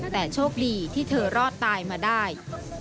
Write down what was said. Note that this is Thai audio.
แต่โชคดีที่เธอรอดตายมาได้